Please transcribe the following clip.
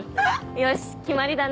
よし決まりだね。